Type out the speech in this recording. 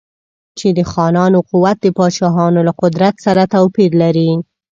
چې د خانانو قوت د پاچاهانو له قدرت سره توپیر لري.